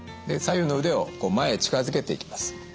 左右の腕を前へ近づけていきます。